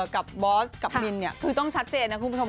กับบอสกับมินเนี่ยคือต้องชัดเจนนะคุณผู้ชม